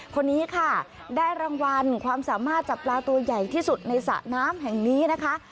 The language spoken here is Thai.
คนนี้ค่ะได้รางวัลความสามารถจับปลาตัวใหญ่ที่สุดในสระน้ำแห่งนี้นะคะ